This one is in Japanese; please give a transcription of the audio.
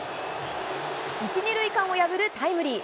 １、２塁間を破るタイムリー。